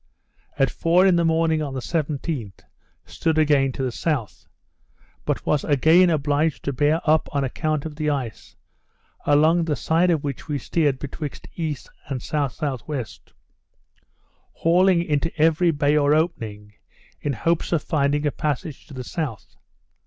At four in the morning on the 17th, stood again to the south; but was again obliged to bear up on account of the ice, along the side of which we steered betwixt E. and S.S.W., hauling into every bay or opening, in hopes of finding a passage to the south.